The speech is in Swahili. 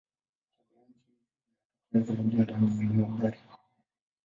Tabianchi hizi zinatokea zaidi ndani ya mabara.